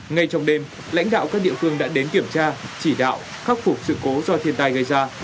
ngay trong đêm lãnh đạo các địa phương đã đến kiểm tra chỉ đạo khắc phục sự cố do thiên tai gây ra